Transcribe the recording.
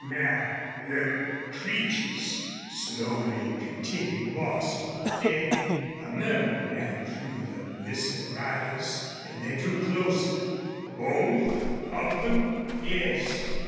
"Now them Creeches?" slowly continued Bostil. "Dead." A murmur ran through the listening riders, and they drew closer. "Both of them?" "Yes.